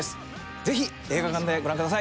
ぜひ映画館でご覧ください。